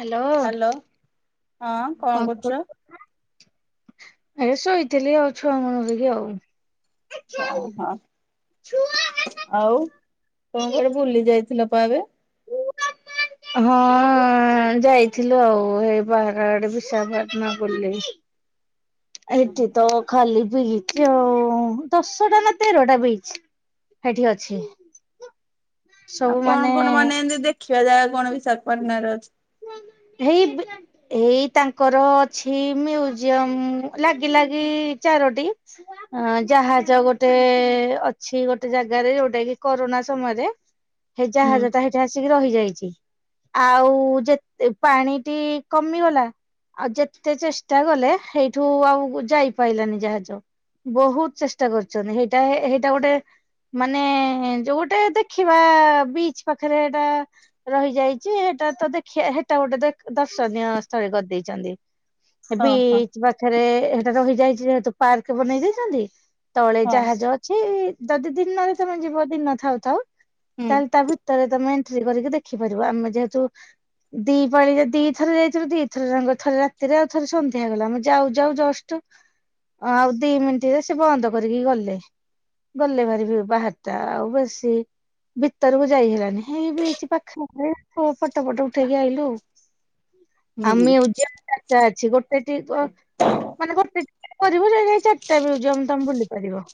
Hello ହଁ କଣ କରୁଛ? କ ଏ ଶୋଇଥିଲି ଆଉ ଛୁଆ ମଣରେ କି ଆଉ ଓହଁ ଆଉ ତମ କଆଡେ ବୁଲି ଯାଇଥିଲ ଏବେ? ଓ ହଁ ଯାଇଥିଲୁ ଆଉ ଏଇ ବାହାର ଆଡେ ବିଶାଖା ପାଟଣା ବୁଲି। ଏଠି ତ ଖାଲି ବିଚ୍ ଆଉ ଦଶଟା ନା ତେରଟା ବିଚ୍। ଏଠି ଅଛି ଆଉ ସବୁ କଣ ମାନେ କଣ ଏମିତି ଦେଖିବା ଜାଗା କଣ ବିଶାଖପାଟଣାରେ ଅଛି? ହେଇ ଏଇ ତାଙ୍କର ଅଛି ମ୍ୟୁଜିୟମ ଲାଗି ଲାଗି ଚାରୋଟି। ଅ ଜାହାଜ ଗୋଟେ ଅଛି ଗୋଟେ ଜାଗାରେ ଯୋଉଟା କି କରୋନା ସମୟରେ ସେ ହୁଁ ଜାହାଜଟା ସେଇଠି ଆସିକି ରହିଯାଇଛି ଆଉ ଯେ ତେ ପାଣିଟି କମିଗଲା। ଆଉ ଯେତେ ଚେଷ୍ଟା କଲେ ସେଇଠୁ ଆଉ ଯାଇପାରଲାନି ଜାହାଜ। ବହୁତ ଚେଷ୍ଟା କରୁଛନ୍ତି ହେଇଟା ହେଇଟା ଗୋଟେ ମାନେ ଯୋଉ ଗୋଟେ ଦେଖିବା ବିଚ ପାଖରେ ଏଟା ରହିଯାଇଛି ସେଇଟା ତ ଦେଖ ହେଟା ଗୋଟେ ଦେ ଦର୍ଶନୀୟ ସ୍ଥଳେ କରିଦେଇଛନ୍ତି ହଁ ହଁ ବିଚ ବା ଏରେ ସେଟା ରହିଯାଇଛି ଯେହେତୁ ପାର୍କ ବନେଇ ଦେଇଛନ୍ତି ତଳେ ହଁ ଜାହାଜ ସେ ଯଦି ଦିନ ନ ହେଇଥିବା ତମେ ଯିବ ଦିନ ଥାଉ ଥାଉ। ହୁଁ ତାହେଲେ ତା ଭିତରେ ତମେ ଏଣ୍ଟ୍ରି କରିକି ଦେଖିପାରିବ ଆମେ ଯେହେତୁ ଦି ପାଳିରେ ଦି ଥର ଯାଇଥିଲୁ ଦିଥରେ ଯାଙ୍ଗ ଥରେ ରାତିରେ ଆଉ ଥରେ ସନ୍ଧ୍ୟା ବେଳେ ମୁଁ ଯାଉ ଯାଉ ଜଷ୍ଟ ଆଉ ଦି ମିନିଟ୍ ରେ ସେ ବନ୍ଦ କରିକି ଗଲେ। ଗଲେ ବାହାରିବି ବାହାର ଟା ଆଉ ବେଶୀ ଭିତରକୁ ଯାଇ ହେଲାନି ହେଇ ବି ହେଇଛି ପାଖ ପାଖରେ ଫଟୋ ଫଟ ଓଠେଇକି ଆଇଲୁ ହୁଁ ହୁଁ ଆମେ [unintelligible] ଅଛି ଗୋଟେ ଟି ମାନେ ଗୋଟେ କରିବୁ ଯେ ଚାରିଟା ମୁଜିୟମ ତମେ ଭୁଲି ପାରିବ।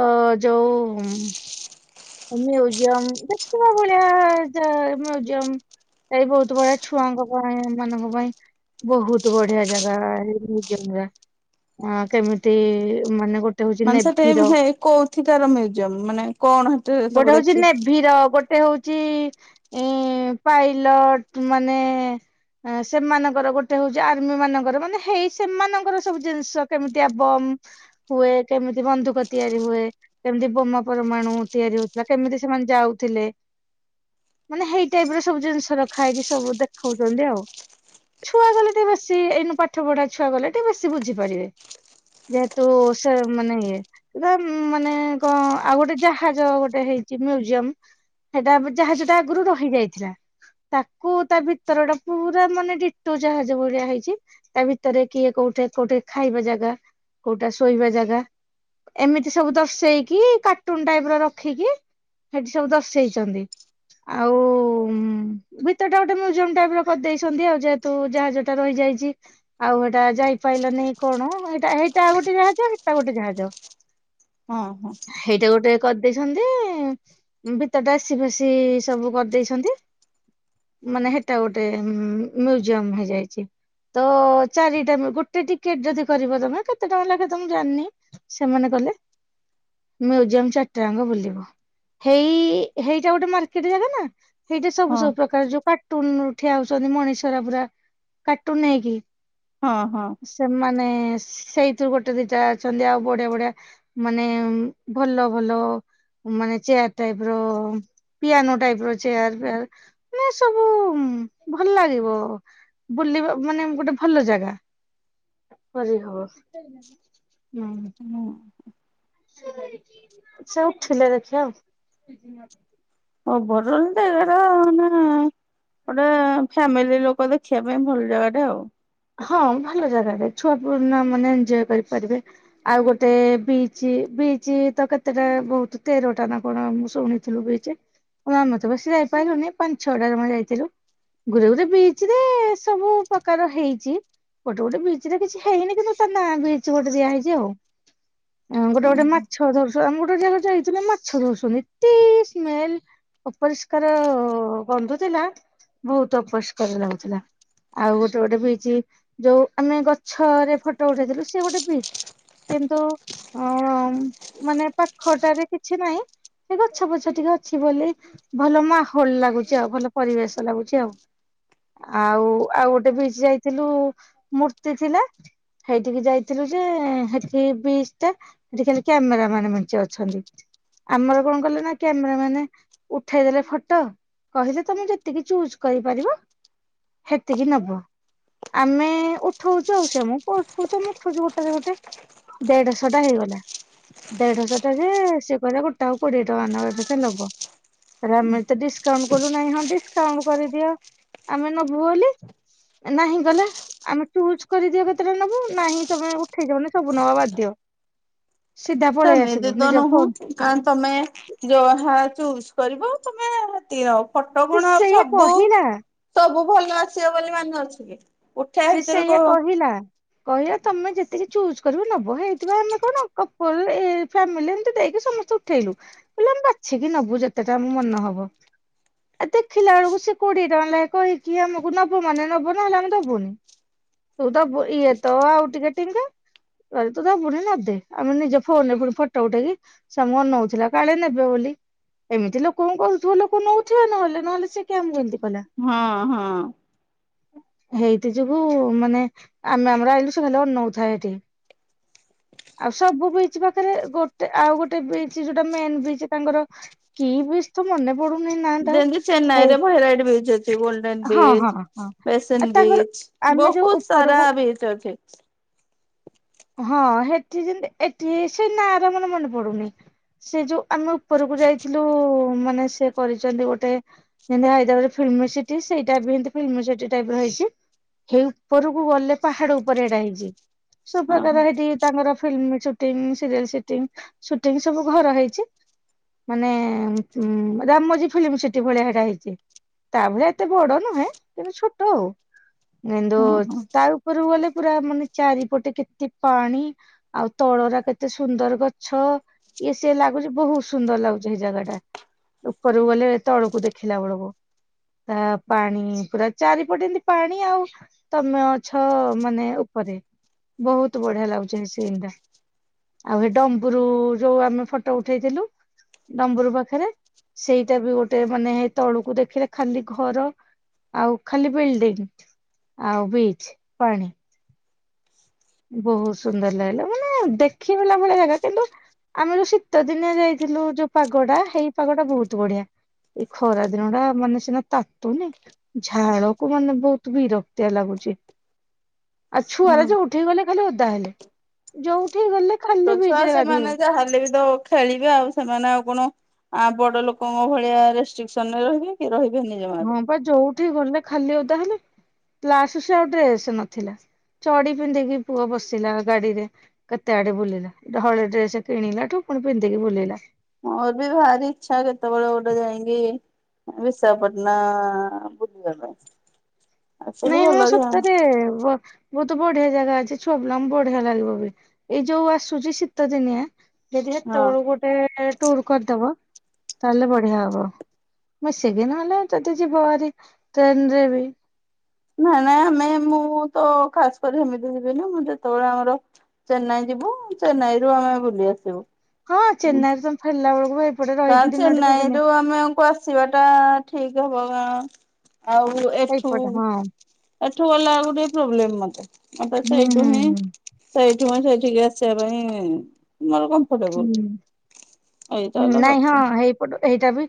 ଅ ଯୋଉ ମ୍ୟୁଜିୟମ ଦେଖିବା ଭଳିଆ ଯା ମ୍ୟୁଜିୟମ। ସେ ବହୁତ ବଢିଆ ଛୁଆଙ୍କ ପାଇଁ ଏମାନାନଙ୍କ ପାଇଁ। ବହୁତ ବଢିଆ ଜାଗା ଏଇ ମ୍ୟୁଜିୟମ ଗୋରା କେମିତି ମାନେ ଗୋ ମାନେ ସେଠି ହେ କୋଉଥି କାର ମ୍ୟୁଜିୟମ ମାନେ କଣ ସବୁ ଗୋଟେ ହଉଛି ଦେଖି ନେଭିର ଗୋଟ ଗୋଟେ ହଉଚି ଏ ପାଇଲଟ ମାନେ ସେମାନଙ୍କର ଗୋଟେ ହଉଛି ଆର୍ମି ମାନଙ୍କର ମାନେ ହେଇ ସେମାନଙ୍କର ସବୁ ଜିନିଷ କେମିତିଆ ବମ। ହୁଏ କେମିତି ବନ୍ଧୁକ ତିଆରି ହୁଏ କେମିତି ବୋମା ପରମାଣୁ ତିଆରି ହଉଥିଲା କେମିତି ସେମାନେ ଯାଉଥିଲେ। ମାନେ ହେ଼ଇ ଟାଇପ ର ସବୁ ଜିନିଷ ରଖା ହେଇକି ସବୁ ଦେଖଉଛନ୍ତି ଆଉ। ଛୁଆ ଗଲେ ଟିକେ ବେଶୀ ଏଇନୁ ପାଠ ପଢା ଛୁଆ ଗଲେ ଟିକେ ବେଶୀ ବୁଝିପାରିବେ। ଯେହେତୁ ସେ ମାନେ ଇଏ ମାନେ କଣ ଆଉ ଗୋଟେ ଯା ଜାହାଜ ଗୋଟେ ହେଇଛି ଗୋଟେ ମୁଜିୟମ ସେଇଟା ଜାହାଜଟା ଆଗରୁ ରହି ଯାଇଥିଲା। ତାକୁ ତା ଭିତର ଟା ପୁରା ମାନେ ଡିଟୋ ଜାହାଜ ଭଳିଆ ହେଇଛି। ତା ଭିତରେ କିଏ କୋଉଠି କୋଉଠି ଖାଇବା ଜାଗା କୋଉଟା ଶୋଇବା ଜାଗା। ଏମିତି ସବୁ ଦର୍ଶେଇକି କାର୍ଟୁନ ଟାଇପ ପୁରା ରଖିକି ସେଠି ସବୁ ଦର୍ଶେଇଛନ୍ତି। ଆଉ ଭିତରଟା ଗୋଟେ ମୁଜିୟମ ଟାଇପ କରି ଦେଇଛନ୍ତି ଆଉ ଯେ ଯେହେତୁ ଜାହାଜ ଟା ରହିଯାଇଛି। ଆଉ ଏଇଟା ଯାଇପାଇଲାନି କଣ ଏଇଟା ଏଇଟା ଗୋଟେ ଜାହାଜ ଏଟା ଗୋଟେ ଜାହାଜ। ହଁ ହଁ। ସେଇଟା ଗୋଟେ କରିଦେଇଛନ୍ତି ଭିତର ଟା ଆସି ଫେସି ସବୁ କରିଦେଇଛନ୍ତି। ମାନେ ହେ଼ଟା ଗୋଟେ ମ୍ୟୁଜିୟମ ହେଇଯାଇଛି। ତ ଚାରିଟା ଗୋଟେ ଟିକେଟ ଯଦି କରିବ ତମେ କେତେ ଟଙ୍କା ଲେଖା ତ ମୁଁ ଜାଣିନି। ସେମାନେ କଲେ ମୁଜିୟମ ଚା ଟା ଆଙ୍କ ବୁଲିବ ହେଇ ହେଇଟା ଗୋଟେ ମକେର୍ଟ ଜାଗା ନା ସେଇଟା ସବୁ ହଁ ସବୁ ପ୍ରକାର ଯୋଉ କାର୍ଟୁନ ଠିଆ ହଉଛନ୍ତି ମଣିଷର ପୁରା କାର୍ଟୁନ ନେଇକି। ହଁ ହଁ। ସେମାନେ ସେଇଥିରୁ ଗୋଟେ ଦିଟା ଅଛନ୍ତି ଆଉ ବଢିଆ ବଢିଆ ମାନେ ଭଲ। ଭଲ ମାନେ ଚେୟାର ଟାଇପର ପିଆାନୋ ଟାଇପ ର ଚେୟାର ପେୟାର। ମାନେ ସବୁ ଭଲ ଲାଗିବ। ବୁଲିବା ମାନେ ଗୋଟେ ଭଲ ଜାଗା କରିହବ। ହୁଁ। ହୁଁ ସେ ଉଠିଲେ ଦେଖିବା ଆଉ। [unintelligible] ଗୋଟେ ଫ୍ୟାମିଲି ଲୋକ ଦେଖିବା ପାଇଁ ଭଲ ଜାଗା ଟା ଆଉ। ହଁ ଭଲ ଜାଗାଟେ ମାନେ ଛୁଆ ପୁଆ ମାନେ ଏନଞ୍ଜୟ୍ କରିପାରିବେ। ଆଉ ଗୋଟେ ବିଚ ବିଚ୍ ତ କେତେଟା ବହୁତ ତେରଟା ନା କଣ ମୁଁ ଶୁଣି ଚୁପୁ ହେଇଜା ଆମେ ତ ବେଶୀ ଯାଇପାରିଲୁନି ପାଞ୍ଚ ଛଅଟା ଜମା ଯାଇଥିଲୁ। ଗୋରେ ଗୋରେ ବୀଚିରେ ସବୁ ପ୍ରକାର ହେଇ ଚି ଗୋଟେ ଗୋଟେ ବିଚିରେ ରେ କିଛି ହେଇନି କିନ୍ତୁ ତା ନା ବିଚ ଗୋଟେ ଦିଆହଇଛି ଆଉ। ଗୋଟେ ଗୋଟେ ଆଉ। ମାଛ ଧରସୁ ଆମେ ଗୋଟେ ଜାଗା ଯାଇଥିଲୁ ମାଛ ଧରୁଛନ୍ତି ଏତ ସ୍ମେଲ ଅପରିଷ୍କାର ଗନ୍ଧୁଥିଲା ବହୁତ ଅପରିଷ୍କାର ଲାଗୁଥିଲା। ଆଉ ଗୋଟେ ଗୋଟେ ପିଇଛି ଯୋଉ ଆମେ ଗଛରେ ଫଟୋ ଉଠେଇଥିଲୁ ସେ ଗୋଟେ ପିଇ କିନ୍ତୁ ଅ ମାନେ ପାଖଟାରେ କିଛି ନାହିଁ। ସେ ଗଛ ପଛ ଟିକେ ଅଛି ବୋଲି। ଭଲ ମାହୋଲ ଲାଗୁଛି ଆଉ ଭଲ ପରିବେଶ ଲାଗୁଛି ଆଉ। ଆଉ ଆଉ ଗୋଟେ ବିଚି ଯାଇଥିଲୁ ମୂର୍ତ୍ତି ଥିଲା। ହେଇଠିକି ଯାଇଥିଲୁ ଯେ ହେଠି ବିଶ ଟା ସେଠ ଖାଲି କ୍ୟାମେର ମାନ ମେଞ୍ଚେ ଅଛନ୍ତି। ଆମର କଣ କଲେ ନା କ୍ୟାମେର ମାନେ ଉଠେଇ ଦେଲେ ଫଟୋ। କହିଲେ ତମେ ଯେତିକି ଚୁଜ କରିପାରିବ ହେତିକି ନବ। ଆମେ ଉଠଉଛୁ ଆଉ ସ ଆମ ଉ ଆମ ଉଠଛୁ ଗୋଟା ଗୋଟେ। ଦେଢଶହ ଟା ହେଇଗଲା। ଦେଢଶହ ଟେ ଯେ ସେ କହିଲା ଗୋଟା କୋଡିଏ ଟଙ୍କା ନଖା ନବ। ଆ ଆମେ ତ ଡିସକାଉଣ୍ଟ କଲୁ ନାହିଁ ହଁ ଡିସକାଉଣ୍ଟ କରିଦିଅ ଆମେ ନବୁ ବୋଲି। ନାହିଁ ଗଲେ ଆମେ ଚୁଜ କରିଦିଅ କେତେଟା ନବୁ ନାହିଁ ତମେ ଉଠେଇଚ ମାନେ ସବୁ ନବା ବାଧ୍ୟ୍ୟ। ସିଧା ପଳେଇ ଆସିଲୁ ନିଜ ଫୋନ ଆଁ ତମେ ଯାହା ଚୁଜ କରିବ ତମେ। [inaudible] ଫୋଟ ସେ କଣ ସେଇଆ ସବୁ କହିଲା ସବୁ ଭଲ ଆସିବ ବୋଲି ମାନେଅଛି କି? ଉଠେଇ ଭିତରେ କହ ନା କହିଲ ତମେ ଯେତିକି ଚୁଜ କରିବ ନବ ହେଇଥିବା ଆମେ କଣ [inaudible] ସମସ୍ତଙ୍କୁ ଉଠେଇଲୁ ବୋଇଲେ ଆମେ ବାଛିକି ନବୁ ଯେତେଟା ଆମ ମନ ହବ। ଏ ଦେଖିଲା ବେଳକୁ ସେ କୋଡିଏ ଟଙ୍କା ଲାଗେ କହିକି ଆମକୁ ନବ ମାନେ ନେବ ନହେଲେ ଆମେ ଦବୁନି। ତୁ ତ ଦବୁ ଇଏ ତ ଆଉ ଟିକେ ଟିଙ୍ଗା। କହିଲେ ତୁ ଦବୁନି ନଦେ ପୁଣି ଆମେ ନିଜ ଫୋନ ରେ ପୁଣି ଫଟୋ ଉଠେଇକି। ସେ ଆମକୁ ଅନଉଥିଲା କାଳେ ନେବେ ବୋଲି। ଏମିତି ଲୋକଙ୍କୁ କହୁଥିବ ଲୋକ ନଉଥିବେ ନହେଲେ ନହେଲେ ସେ ଆମକୁ କାଇଁ ଏମିତି କହିଲା। ହଁ ହଁ। ହେଇ ଏ ଯୋଗୁ ମାନେ ଆମେ ଆମର ଆଇଲୁ ସେ ଖାଲି ଅନଉଥାଏ ଏଠି। ଆଉ ସବୁ ବିଚ୍ ପାଖରେ ଗୋଟେ ଆଉ ଗୋଟେ ବିଚ ଯୋଉଟା ମେନ୍ ବିଚ ତାଙ୍କର କି ବୀଚି ତ ମନେ ପଡୁନି ନା ଟା ଯେନ୍ତି ହେଇ ଚେନ୍ନାଇରେ ଭାଇରାଇଟ ବିଚ ହେଛି ଗୋଲଡନ ହଁ ବୀଚ ହଁ ହଁ। ଆଉ ବେସନ ତାଙ୍କର ବିଚ। ଆମେ ଯୋଉ ବହୁତ ସାରା ଉପରକୁ ବିଚି ଅଛି। ହଁ ସେଠି ଯେମିତି ଏଠି ସେ ନାଁ ର ମୋର ମନେ ପଡୁନି ସେ ଯୋଉ ଆମେ ଉପରକୁ ଯାଇଥିଲୁ ମାନେ ସେ କରିଛନ୍ତି ଗୋଟେ ଯେମତି ହାଇଦ୍ରାବାଦ ଫିଲ୍ମ ସିଟି ସେଇଟା ବିମତି ଫିଲ୍ମ ସିଟି ଟାଇପ ର ହେଇଛି। ସେଇ ଉପରକୁ ଗଲେ ପାହାଡ ଉପରେ ଏଟା ହେଇଛି ହଁ ସବୁପକାର ହେଠି ତାଙ୍କର film shooting serial shooting shooting ସବୁ ଘର ହେଇଛି। ମାନେ ଉ ରାମ ମୋଝ ଫିଲ୍ମ ସେଠି ଭଳିଆ ହେଟା ହେଇଛି। ତା ଭଳିଆ ଏତେ ବଡ ନୁହେଁ କିନ୍ତୁ ଛୋଟ ଆଉ। କିନ୍ତୁ ହଁ ହଁ ତା ଉପରକୁ ଗଲେ ପୁରା ମାନେ ଚାରିପଟେ କେତେ ପାଣି। ଆଉ ତଳରା କେତେ ସୁନ୍ଦର ଗଛ। ଇଏ ସେ ଲାଗୁଛି ବହୁତ ସୁନ୍ଦର ଲାଗୁଛି ସେଇ ଜାଗାଟା। ଉପରକୁ ଗଲେ ଏ ତଳକୁ ଦେଖିଲା ବେଳକୁ। ତା ପାଣି ପୁରା ଚାରିପଟେ ଏମତି ପାଣି ଆଉ। ତମେ ଅଛ ମାନେ ଉପରେ। ବହୁତ ବଢିଆ ଲାଗୁଛି ଏ ସନ୍ ଟା। ଆଉ ହେ ଡମ୍ବୁରୁ ଯୋଉ ଆମେ ଫଟୋ ଉଠେଇଥିଲୁ। ଡମ୍ବରୁ ପାଖେରେ ସେଇଟା ବି ଗୋଟେ ମାନେ ତଳୁକୁ ଦେଖିଲେ ଖାଲି ଘର। ଆଉ ଖାଲି ବିଲ୍ଡିଙ୍ଗ ଆଉ ବିଚ୍ ପାଣି। ବହୁତ ସୁନ୍ଦର ଲାଗିଲା। ମାନେ ଦେଖିଲା ଭଳିଆ ଜାଗା। କିନ୍ତୁ ଆମେ ଯୋଉ ଶୀତ ଦିନିଆ ଯାଇଥିଲୁ ଯୋଉ ପାଗଟା ହେଇ ପାଗଟା ବହୁତ ବଢିଆ। ଏଇ ଖରାଦିନ ଟା ମାନେ ସିନା ତାତୁନି। ଝାଳକୁ ମାନେ ବହୁତ ବିରକ୍ତିଆ ଲାଗୁଛି। ଆଉ ହଁ। ଛୁଆରା ଯୋଉଠିକି ଗଲେ ଖାଲି ଓଦା ହେଲେ। ଯୋଉ ଉଠେଇ ଗଲେ ଖାଲି ଛୋଟ ଛୁଆ ବିଚ୍ ରେ ଗାଧେଇବେ ସେମାନେ ଯାହାହେଲେ ବି ତ ଖେଳିବେ ଆଉ ସେମାନେ ଆଉ କଣ ଆ ବଡ ଲୋକଙ୍କ ଭଳିଆ ରେଷ୍ଟ୍ରିକସନ୍ ନେବେ କି? ରହିବେନି ହଁ ଜମାରୁ। ବା ଯୋଉଠି ଗଲେ ଖାଲି ଓଦା ହେଲେ। ଲାଷ୍ଟରେ ଆଉ ଡ୍ରେସ ନଥିଲା। ଚଡି ପିନ୍ଧିକି ପୁଅ ବସିଲା ଗାଡିରେ। କେତେ ଆଡେ ବୁଲିଲା। ହଳେ ଡ୍ରେସ କିଣିଲାଠୁ ପୁଣି ପିନ୍ଧିକି ବୁଲିଲା। ମୋର ବି ଭାରି ଇଛା କେତେବେଳେ ଗୋଟେ ଯାଇକି ବିଶାଖାପାଟଣା ବୁଲିବା ପାଇଁ। ଆକ୍ଚୁଆଲି ନାଇଁ ହଉଁ ଭଲ ଯା ହଁ ସତରେ ଦ। ବହୁତ ବଢିଆ ଜାଗା ଅଛି। ଛୁଆପିଲାଙ୍କୁ ବଢିଆ ଲାଗିବ ବି। ଏଇ ଯୋଉ ଆସୁଛି ଶୀତ ଦିନିଆ। ଯଦି ହେତେବେଳୁ ଗୋଟେ ଟୁର କରିଦବ ତାହଲେ ବଢିଆ ହବ। ମିଶିକି ନହେଲେ ଯଦି ଯିବ ଭାରି ଟ୍ରେନରେ ବି। ନାଇଁ ନାଇଁ ଆମେ ମୁଁ ତ ଖାସ କରି ସେମିତି ଯିବିନି। ମୁଁ ଯେତେବେଳେ ଆମର ଚେନ୍ନାଇ ଯିବୁ ଚେନ୍ନାଇରୁୁ ଆମେ ବୁଲି ଆସିବୁ। ହଁ ଚେନ୍ନାଇରେ ତମେ ଫେରିଲା ବେଳକୁ ଭାଇ କ ଚେନ୍ନାଇରୁ ଆମକୁ ଆସ ଆସିବା ଟା ଠିକ ହବ। କଣ ଆଉ ଏଠୁ ଏଇପଟେ ହଁ ଏଠୁ ଗଲାବେଳକୁ ଟିକେ ପ୍ରୋବ୍ଲେମ ମତେ। ମତେ ହୁଁ ହୁଁ ସେଇଠୁ ହିଁ ହୁଁ ସେଇଠି ମୁଁ ସେଇଠିକି ଆସିବା ପାଇଁ ମମର କଣ କରିବୁ ହୁଁ। ଏଇଟା ହୁଁ ହେଲା କ ନାଇଁ ହଁ ହେଇପଟ ଏଇଟା ବି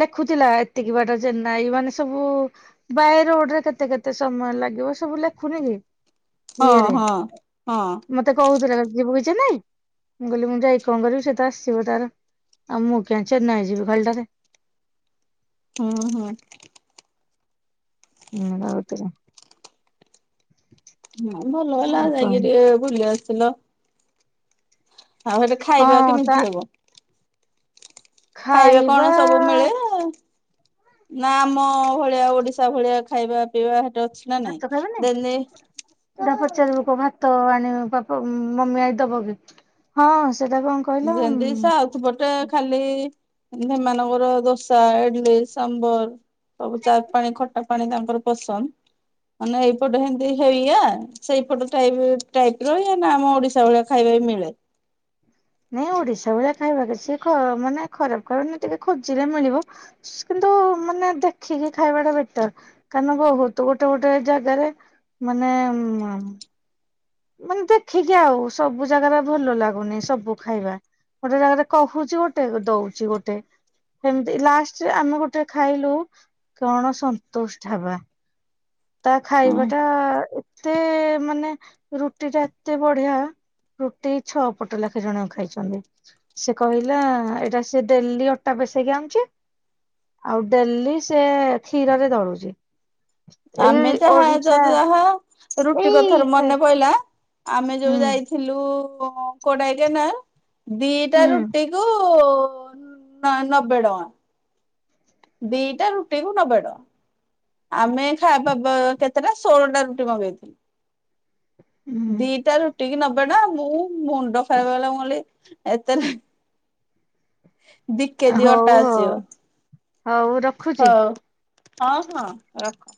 ଲେଖୁଥିଲା। ଏତିକି ବାଟା ଚେନ୍ନାଇ ମାନେ ସବୁ ବାଇ ରୋଡରେ କେତେ କେତେ ସମୟ ଲାଗିବ ସବୁ ଲେଖୁନି କି? ହଁ ଇଏରେ ହଁ ହଁ। ମତେ କହୁଥିଲା ଯିବୁକି ଚେନ୍ନାଇ। ମୁଁ କହିଲି ମୁଁ ଯାଇକି କଣ କରିବି? ସେ ତ ଆସିବ ତାର ଆଉ ମୁଁ କିଆଁ ଚେନ୍ନାଇ ଯିବି ଖାଲିଟାରେ। ହଁ ହଁ। ହୁଁ ରଉତରେ। ହଁ ଭଲ ହେଲା ଆଉ କଣ ଯାଇକି ଟିକେ ବୁଲି ଆସିଲ। ଆଉ ହେଟେ ହଁ ଖାଇବା ତା କେମିତି ହବ? ଖାଇବା କଣ ସବୁ ମିଳେ? ନା ଆମ ଭଳିଆ ଓଡିଶା ଭଳିଆ ଖାଇବା ପିଇବା ହେଟେ ଅଛି। ନା ନାଇଁ? ଭାତ ଖାଇବେନି ଯେମତି ସେଟା ପଚାରିବୁ କ ଭାତ ଆଣିବୁ ପା ମମି ଆଇ ଦବ କି ହଁ ସେଟା କଁ ଯେମତି ସେ ଆଉଥୁ ପଟା ଖାଲି ସେମାନଙ୍କର ଦୋସା ଇଡଲି ସମ୍ବର ସବୁ ଚାରୁ ପାଣି ଖଟା ପାଣି ତାଙ୍କର ପସନ୍ଦ ମାନେ ଏଇପଟେ ଏମିତି ହେଇଆ ସେଇପଟୁ ଟାଇପ ଟାଇପ ର ୟ ନା ଆମ ଓଡିଶା ଭଳିଆ ଖାଇବା ବି ମିଳେ। ନାଇଁ ଓଡିଶା ଭଳିଆ ଖାଇବା କିଛି ଖରାପ ମାନେ ଖରାପ ଖାରଣ ଟିକେ ଖୋଜିରେ ମିଳିବ। କିନ୍ତୁ ମାନେ ଦେଖିକି ଖାଇବା ଟା ବେଟର। କାରଣ ବୋହୁତ ଗୋଟେ ଗୋଟେ ଜାଗାରେ ମାନେ ମ ମାନେ ଦେଖିକି ଆଉ ସବୁ ଜାଗାରେ ଭଲ ଲାଗୁନି ସବୁ ଖାଇବା। ଗୋଟେ ଜାଗାରେ କହୁଚି ଗୋଟେ ଦଉଚି ଗୋଟେ। ସେମିତି ଲାଷ୍ଟରେ ଆମେ ଗୋଟେ ଖାଇଲୁ କଣ ସନ୍ତୋଷ ଢାବା। ତା ଖାଇବା ଟା ଏତେ ମାନେ ରୁଟି ଟା ଏତେ ବଢିଆ। ରୁଟି ଛଅ ପଟ ଲେଖି ଜଣକା ଖାଇଛନ୍ତି। ସେ କହିଲା ଏଇଟା ସେ ଡେଲି ଅଟା ପେସେଇକି ଆଣୁଚି। ଆଉ ଡେଲି ସେ କ୍ଷୀରରେ ଦଳୁଚି। ଆମେ ଯାହା ତ ଯାହା ରୁଟି ଏଇ କଥାରୁ ମନେ ପଇଲା ଆମେ ଯୋଉ ହୁଁ ଯାଇଥିଲୁ କୋଡାଇକାନାର ଦିଟା ହୁଁ ରୁଟି କୁ କୁ ବା ନବେ ଟଙ୍କା। ଦିଟା ରୁଟିକୁ ନବେ ଟଙ୍କା। ଆମେ ଖାଇବା ବା କେତେଟା ଷୋଳ ଟା ରୁଟି ମଗେଇଥିଲୁ। ହୁଁ ଦିଟା ରୁଟି କି ନବେ ଟଙ୍କା ମୁଁ ମୁଣ୍ଡ ଖରାପ ହେଇଗଲା ମୁଁ କହିଲି ଏତେରେ ଦି କେଜି ହଉ ଅଟା ଆସିବ। ହଉ ହଉ ରଖୁଛି। ହଉ ହଁ ହଁ ରଖୁଚି।